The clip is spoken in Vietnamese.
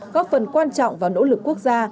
góp phần quan trọng vào nỗ lực quốc gia